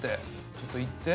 ちょっといって。